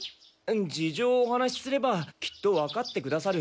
事情をお話しすればきっとわかってくださる。